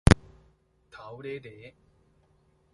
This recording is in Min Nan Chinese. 頭犁犁